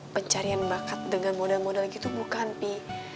pencarian bakat dengan modal modal gitu bukan pi